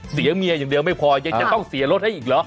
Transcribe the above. เมียอย่างเดียวไม่พอยังจะต้องเสียรถให้อีกเหรอ